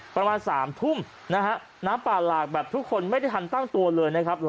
ประมาณ๓ทุ่มนะฮะน้ำป่าหลากแบบทุกคนไม่ได้ทันตั้งตัวเลยนะครับ